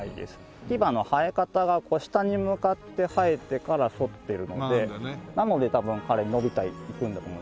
牙の生え方が下に向かって生えてから反ってるのでなので多分あれ伸びていくんだと思いますね。